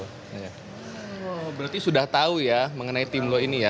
oh berarti sudah tahu ya mengenai tim lo ini ya